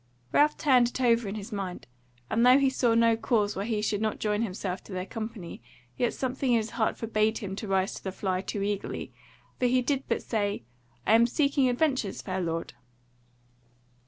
Ralph turned it over in his mind; and though he saw no cause why he should not join himself to their company, yet something in his heart forbade him to rise to the fly too eagerly; so he did but say: "I am seeking adventures, fair lord."